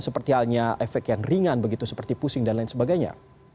seperti halnya efek yang ringan begitu seperti pusing dan lain sebagainya